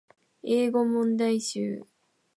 英語問題集